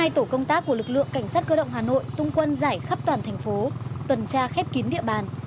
hai tổ công tác của lực lượng cảnh sát cơ động hà nội tung quân giải khắp toàn thành phố tuần tra khép kín địa bàn